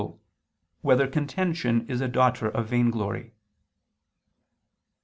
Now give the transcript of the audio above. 2] Whether Contention Is a Daughter of Vainglory?